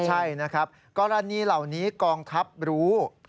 ใช่นะครับกรณีเหล่านี้กองทัพรู้